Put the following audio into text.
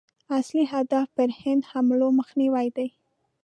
اصلي هدف پر هند حملو مخنیوی دی.